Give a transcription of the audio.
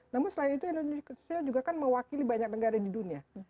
namun selain itu indonesia juga kan mewakili banyak negara di dunia